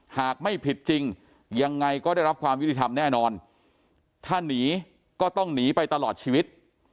หากไม่ผิดจริงยังไงก็ได้รับความยุติธรรมแน่นอนถ้าหนีก็ต้องหนีไปตลอดชีวิต